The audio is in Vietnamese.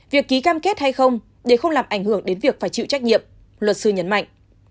việc ký cam kết hay không để không làm ảnh hưởng đến việc phải chịu trách nhiệm luật sư nhấn mạnh